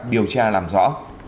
điều tra làm rõ